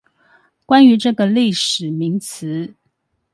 關於這個歷史名詞